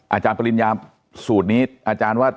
อาจารย์ปริญญาสูตรนี้อาจารย์ว่า